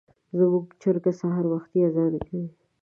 زموږ چرګه سهار وختي اذان کوي.